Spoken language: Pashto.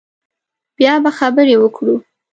بیا به خبرې وکړو